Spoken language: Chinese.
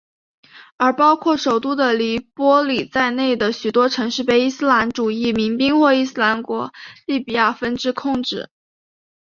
而包括首都的黎波里在内的许多城市被伊斯兰主义民兵或伊斯兰国利比亚分支控制。